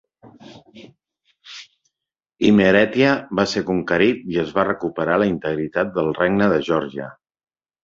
Imerètia va ser conquerit i es va recuperar la integritat del Regne de Geòrgia.